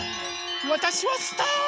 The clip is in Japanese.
わたしはスター！